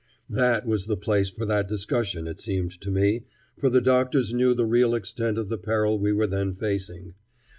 That was the place for that discussion, it seemed to me, for the doctors knew the real extent of the peril we were then facing.